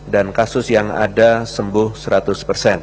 dan kemudian dikirimkan kembali ke kabupaten kota